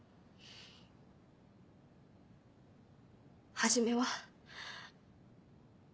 初めは。